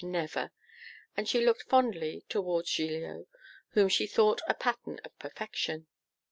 never!' And she looked fondly towards Giglio, whom she thought a pattern of perfection.